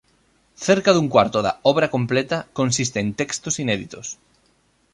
Cerca dun cuarto da "Obra Completa" consiste en textos inéditos.